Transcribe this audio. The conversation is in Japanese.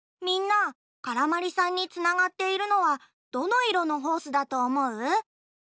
みんなからまりさんにつながっているのはどのいろのホースだとおもう？